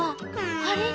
あれ？